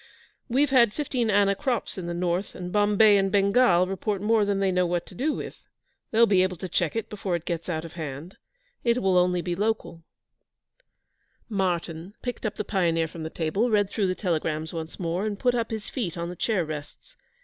'We've had fifteen anna crops in the north, and Bombay and Bengal report more than they know what to do with. They'll be able to check it before it gets out of hand. It will only be local.' Martyn picked up the Pioneer from the table, read through the telegrams once more, and put up his feet on the chair rests.